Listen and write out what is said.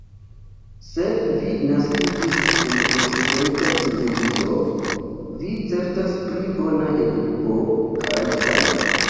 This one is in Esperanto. Se vi naskiĝis en okcidenta civilizo, vi certas pri bona eduko kaj sano.